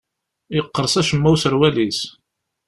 Yeqqers acemma userwal-is.